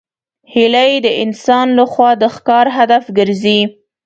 هیلۍ د انسان له خوا د ښکار هدف ګرځي